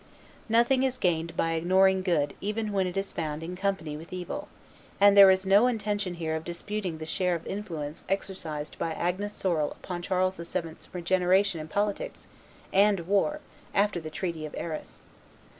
Nothing is gained by ignoring good even when it is found in company with evil, and there is no intention here of disputing the share of influence exercised by Agnes Sorel upon Charles VII.'s regeneration in politics and war after the treaty of Arras.